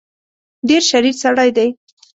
ډېر شریر سړی دی.